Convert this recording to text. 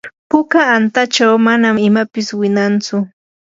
puka antachaw manan imapis winantsu.